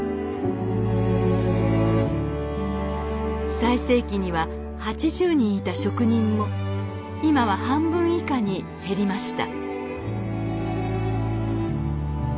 最盛期には８０人いた職人も今は半分以下に減りました。